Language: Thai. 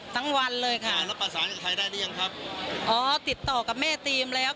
ทำไมครับ๙๗๓๐ไม่๑๐๐๐๐